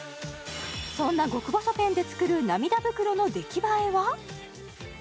そんな極細ペンで作る涙袋の出来栄えは？